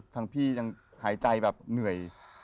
ทางพี่ยังหายใจแบบเหนื่อย